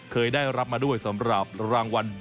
เคยได้รับมาด้วยสำหรับรางวัล